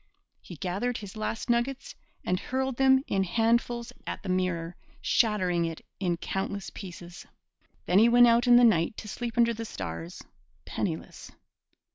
He gathered his last nuggets and hurled them in handfuls at the mirror, shattering it in countless pieces. Then he went out in the night to sleep under the stars, penniless.